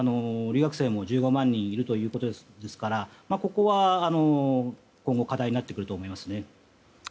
留学生も１５万人いるということですからここは今後課題になってくると思います。